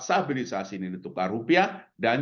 stabilisasi nilai tukar rupiah dan